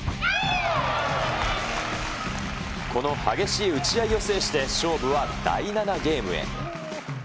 この激しい打ち合いを制して、勝負は第７ゲームへ。